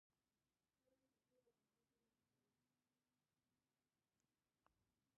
د بازارک ښار د پنجشیر مرکز دی